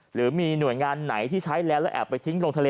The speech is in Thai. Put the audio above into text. หรือมีหน่วยงานไหนที่ใช้แล้วแล้วแอบไปทิ้งลงทะเล